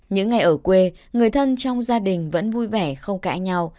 những ngày ở quê người thân trong gia đình vẫn vui vẻ không cãi nhau